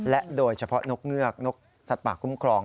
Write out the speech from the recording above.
และโดยเฉพาะนกเงือกนกสัตว์ป่าคุ้มครอง